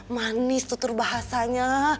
manis tutur bahasanya